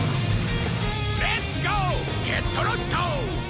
レッツゴー！ゲットロスト！